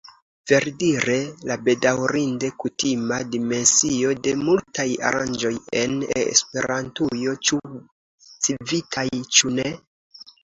Verdire, la bedaŭrinde kutima dimensio de multaj aranĝoj en Esperantujo, ĉu Civitaj ĉu ne.